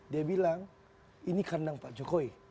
dia bilang ini kandang pak jokowi